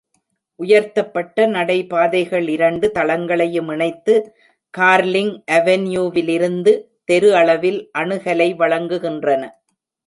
உயர்த்தப்பட்ட நடைபாதைகள் இரண்டு தளங்களையும் இணைத்து, கார்லிங் அவென்யூவிலிருந்து தெரு அளவில் அணுகலை வழங்குகின்றன.